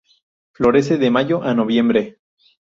Florece de mayo a noviembre.